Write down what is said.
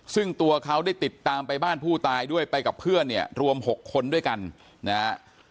ซึ่งตัวเขาได้ติดตามไปบ้านผู้ตายด้วยไปกับเพื่อนเนี่ยรวม๖คนด้วยกันนะฮะ